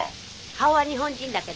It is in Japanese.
顔は日本人だけど。